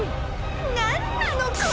［何なのこれ！？